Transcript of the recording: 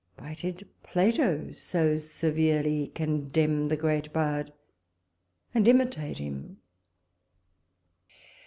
Why did Plato so severely condemn the great bard, and imitate him?